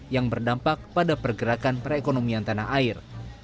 yang berdampak pada pergerakan perekonomian tanah air